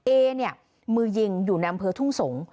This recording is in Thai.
เอมือยิงอยู่ในอำเภอทุ่งสงฆ์